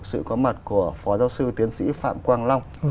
sự có mặt của phó giáo sư tiến sĩ phạm quang long